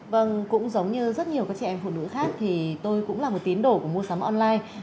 vâng cũng giống như rất nhiều các chị em phụ nữ khác thì tôi cũng là một tín đồ của mua sắm online